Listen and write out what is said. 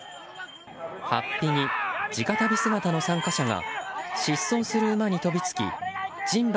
法被に地下足袋姿の参加者が疾走する馬に飛びつき人馬